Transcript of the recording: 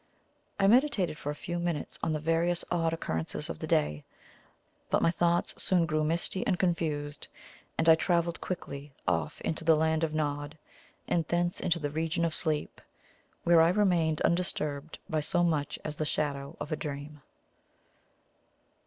I meditated for a few minutes on the various odd occurrences of the day; but my thoughts soon grew misty and confused, and I travelled quickly off into the Land of Nod, and thence into the region of sleep, where I remained undisturbed by so much as the shadow of a dream.